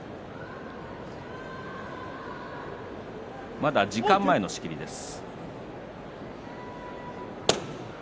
まだ時間前の仕切りです。